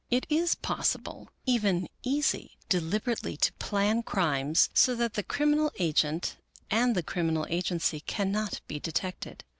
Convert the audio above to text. It is possible, even easy, deliberately to plan crimes so that the criminal agent and the criminal agency cannot be detected.